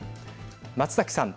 松崎さん。